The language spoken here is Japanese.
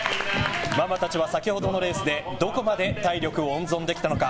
ママたちは先ほどのレースでどこまで体力を温存できたのか。